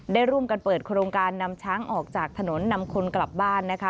ได้ร่วมกันเปิดโครงการนำช้างออกจากถนนนำคนกลับบ้านนะคะ